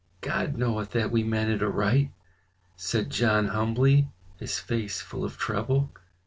"God knoweth that we meant it aright," said John humbly, his face full of trouble.